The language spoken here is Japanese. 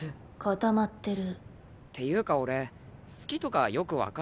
固まってるていうか俺好きとかよく分からなくて。